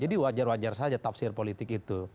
jadi wajar wajar saja tafsir politik itu